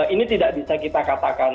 ini tidak bisa kita katakan